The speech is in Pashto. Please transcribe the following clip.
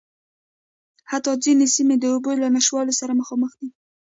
حتٰی ځينې سیمې د اوبو له نشتوالي سره مخامخ دي.